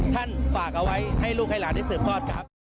ท่านฝากเอาไว้ให้ลูกหลานได้ซืบสอน